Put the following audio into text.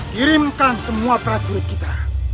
dirimkan semua prajurit kita